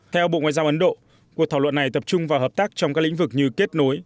theo bộ ngoại giao ấn độ cuộc thảo luận này tập trung vào hợp tác trong các lĩnh vực như kết nối